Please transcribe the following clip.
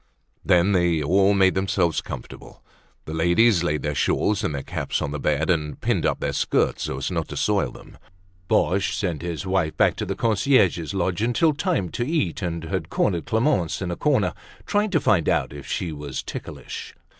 Then they all made themselves comfortable. The ladies laid their shawls and their caps on the bed and pinned up their skirts so as not to soil them. Boche sent his wife back to the concierge's lodge until time to eat and had cornered Clemence in a corner trying to find out if she was ticklish.